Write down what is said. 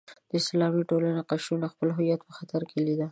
اسلامي ټولنې قشرونو خپل هویت په خطر کې لیده.